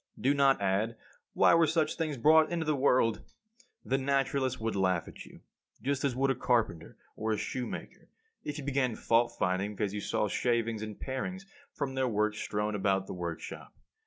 Do not add, "Why were such things brought into the world?" The naturalist would laugh at you, just as would a carpenter or a shoemaker, if you began fault finding because you saw shavings and parings from their work strewn about the workshop.